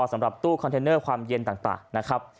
สำหรับตู้คอนเทนเนอร์ความเย็นต่างนะครับ